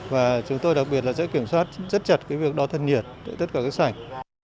và chúng tôi đặc biệt là sẽ kiểm soát rất chặt việc đo thân nhiệt tại tất cả các sảnh